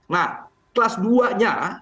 nah kelas dua nya